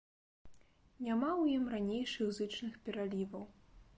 Няма ў ім ранейшых зычных пераліваў.